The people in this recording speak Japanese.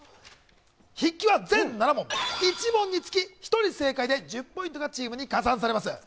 筆記は全７問、１問につき１人正解で１０ポイントが加算されます。